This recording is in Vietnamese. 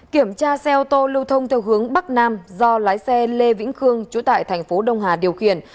kiểm tra xe ô tô lưu thông theo hướng bắc nam do lái xe lê vĩnh khương chúa tại thành phố đông hà điều khiển